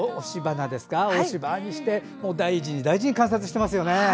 押し花にして大事に大事に観察していますよね。